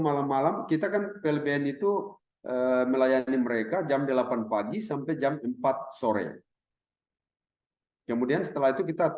malam malam kita kan plbn itu melayani mereka jam delapan pagi sampai jam empat sore kemudian setelah itu kita